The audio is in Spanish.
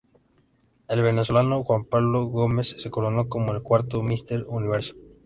El venezolano Juan Pablo Gómez se coronó como el cuarto Mister Universo.